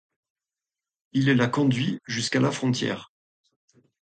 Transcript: Il la conduit jusqu'à la frontière.